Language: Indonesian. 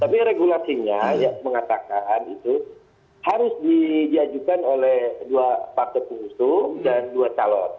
tapi regulasinya mengatakan itu harus diajukan oleh dua partai pengusung dan dua calon